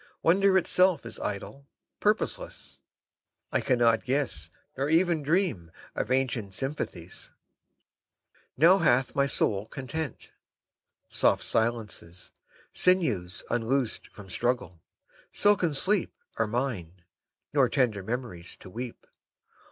Wonder itself is idle, purposeless; I cannot guess Nor even dream of ancient sympathies. Now hath my soul content. Soft silences, Sinews unloosed from struggle, silken sleep, 27 Are mine; nor tender memories to weep.